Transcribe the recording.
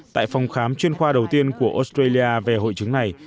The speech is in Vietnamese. tại phòng khám chuyên khoa đầu tiên của australia về hội chứng này